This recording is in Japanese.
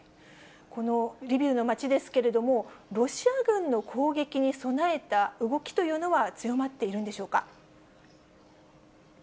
このリビウの街ですけれども、ロシア軍の攻撃に備えた動きというのは強まっているんでしょうか？